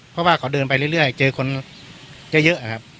เพราะว่าเขาเดินไปเรื่อยเรื่อยเจอคนจะเยอะนะครับ